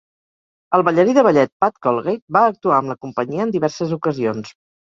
El ballarí de ballet Pat Colgate va actuar amb la companyia en diverses ocasions.